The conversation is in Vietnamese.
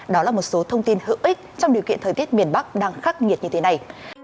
đó là một số thông tin hữu ích trong điều kiện thời tiết miền bắc đang khắc nghiệt như thế này